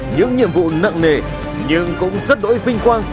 những nhiệm vụ nặng nề nhưng cũng rất đỗi vinh quang